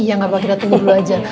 iya gapapa kita tunggu dulu aja